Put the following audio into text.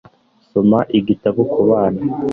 soma igitabo ku bana